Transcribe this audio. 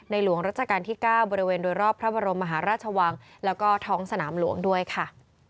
หลวงรัชกาลที่๙บริเวณโดยรอบพระบรมมหาราชวังแล้วก็ท้องสนามหลวงด้วยค่ะ